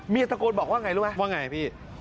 ตะโกนบอกว่าไงรู้ไหมว่าไงพี่